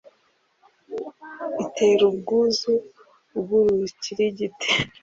Itera ubwuzu bwurukirigite